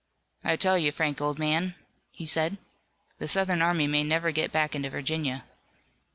"I tell you, Frank, old man," he said, "the Southern army may never get back into Virginia."